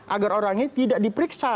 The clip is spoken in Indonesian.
agar orang ini tidak diperiksa